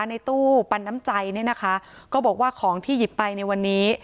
ในตู้ปันน้ำใจเนี่ยนะคะก็บอกว่าของที่หยิบไปในวันนี้